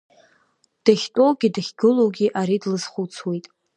Дахьтәоугьы дахьгылоугьы ари длызхәыцуеит.